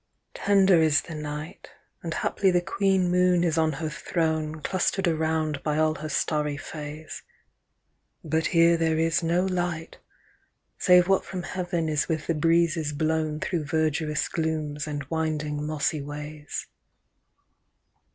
tender is the night, And haply the Queen Moon is on her throne, Cluster'd around by all her starry Fays; But here there is no light, Save what from heaven is with the breezes blownThrough verdurous glooms and winding mossy ways.